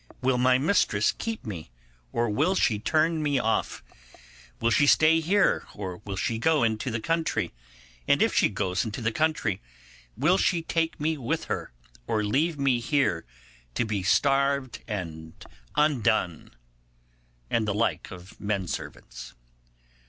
Will my mistress keep me, or will she turn me off? Will she stay here, or will she go into the country? And if she goes into the country, will she take me with her, or leave me here to be starved and undone?' And the like of menservants.